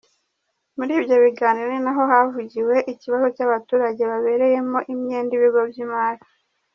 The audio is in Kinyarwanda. Muri ibyo biganiro ni naho havugiwe ikibazo cy’abaturage babereyemo imyenda ibigo by’imari.